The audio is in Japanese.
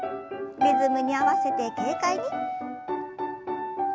リズムに合わせて軽快に。